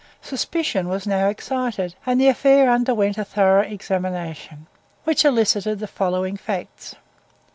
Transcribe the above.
Suspicion was now excited, and the affair underwent a thorough examination, which elicited the following facts.